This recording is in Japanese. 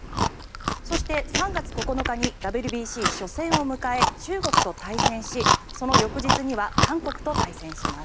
そして３月９日にＷＢＣ初戦を迎え中国と対戦しその翌日には韓国と対戦します。